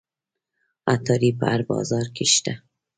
عطاري په هر بازار کې شته.